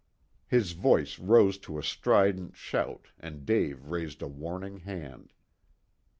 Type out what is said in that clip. His voice rose to a strident shout and Dave raised a warning hand.